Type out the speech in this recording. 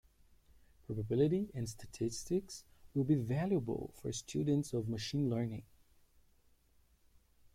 Probability and statistics will be valuable for students of machine learning.